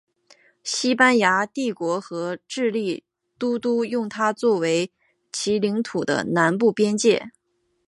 西班牙帝国和智利都督用它作为其领土的南部边界。